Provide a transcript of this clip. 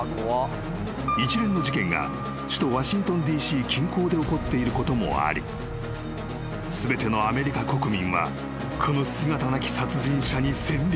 ［一連の事件が首都ワシントンＤ．Ｃ．近郊で起こっていることもあり全てのアメリカ国民はこの姿なき殺人者に戦慄した］